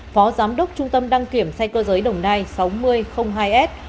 phó giám đốc trung tâm đăng kiểm xe cơ giới đồng nai sáu nghìn hai s